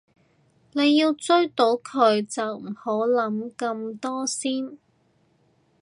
你要追到佢就唔好諗咁多先